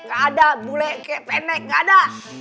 gak ada bule kayak pendek gak ada